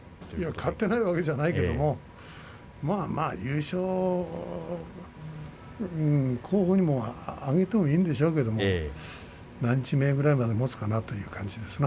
買っていないわけではないけれども優勝候補に挙げてもいいんでしょうけれど何日目ぐらいまでもつかなという感じですが。